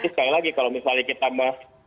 sekali lagi kalau misalnya kita